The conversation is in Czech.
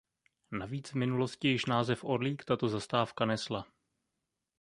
Navíc v minulosti již název Orlík tato zastávka nesla.